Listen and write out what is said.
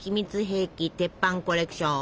兵器鉄板コレクション！